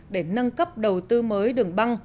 để nâng cấp đầu tư mới đường băng